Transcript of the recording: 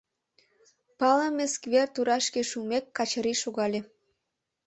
Палыме сквер турашке шумек, Качырий шогале.